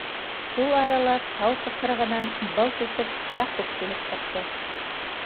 Шул арала тау тыҡрығынан, былт итеп, Яҡуп килеп сыҡты.